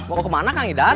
mau ke mana kang idan